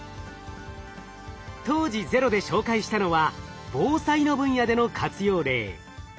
当時「ＺＥＲＯ」で紹介したのは防災の分野での活用例。